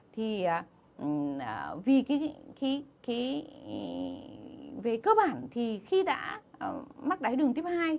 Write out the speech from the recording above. thì về cơ bản thì khi đã mắc đáy đường tiếp hai